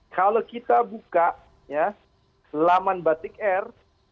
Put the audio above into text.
kalau kita buka laman batik air